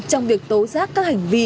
trong việc tố giác các hành vi